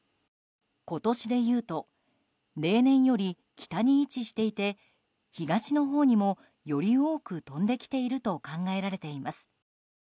今年でいうと例年より北に位置していて東のほうにもより多く飛んできていると考えられています。